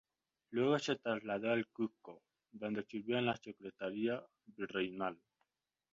Luego se trasladó al Cuzco, donde sirvió en la secretaría virreinal.